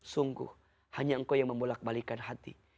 sungguh hanya engkau yang memulakbalikan hati